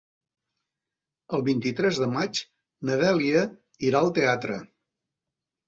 El vint-i-tres de maig na Dèlia irà al teatre.